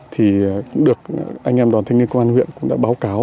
thì được anh em đoàn thanh niên công an huyện cũng đã báo cáo